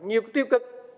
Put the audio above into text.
nhiều cái tiêu cực